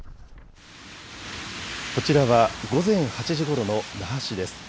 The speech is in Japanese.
こちらは午前８時ごろの那覇市です。